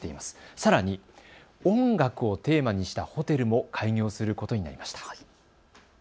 さらに音楽をテーマにしたホテルも開業することになりました。